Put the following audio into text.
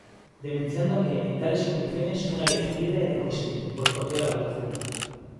Denunciando que, en tales condiciones, una elección libre era imposible, boicoteó la votación.